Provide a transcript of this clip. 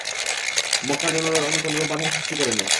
মক্কার জনগণ কোনরূপ বাধার সৃষ্টি করেনি।